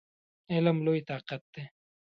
علم لوی طاقت دی!